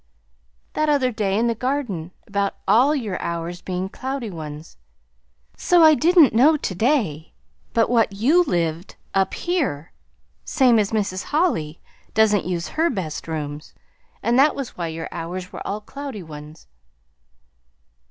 "That other day in the garden about ALL your hours being cloudy ones. So I didn't know to day but what you LIVED up here, same as Mrs. Holly doesn't use her best rooms; and that was why your hours were all cloudy ones."